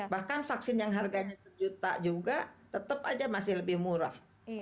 bahkan vaksin yang harganya satu juta juga tetep aja masih lebih murah